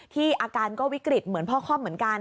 อาการก็วิกฤตเหมือนพ่อค่อมเหมือนกัน